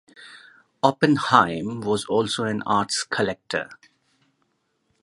Oppenheim was also an arts collector.